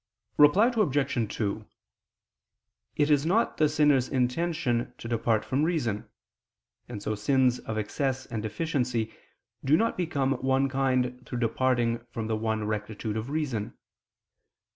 Reply Obj. 2: It is not the sinner's intention to depart from reason; and so sins of excess and deficiency do not become of one kind through departing from the one rectitude of reason.